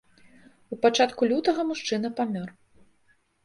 У пачатку лютага мужчына памёр.